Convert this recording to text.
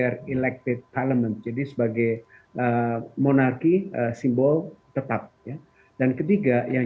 the concept of their elected parliament jadi sebagai monarki simbol tetap dan ketiga yang